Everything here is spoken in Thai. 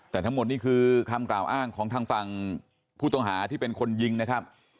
แต่ทั้งหมดนี่คือคำกล่าวอ้างของทางฝั่งผู้ต้องหาที่เป็นคนยิงนะครับ